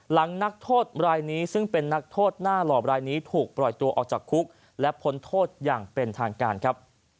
นักโทษรายนี้ซึ่งเป็นนักโทษหน้าหล่อบรายนี้ถูกปล่อยตัวออกจากคุกและพ้นโทษอย่างเป็นทางการครับ